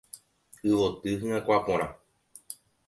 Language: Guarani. Yvoty hyakuã porã.